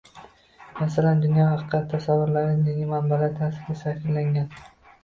Masalan, dunyo haqidagi tasavvurlari diniy manbalar ta’sirida shakllangan